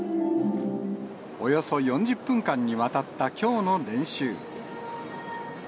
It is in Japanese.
およそ４０分間にわたったきょうの練習。